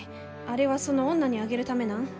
あれはその女にあげるためなん。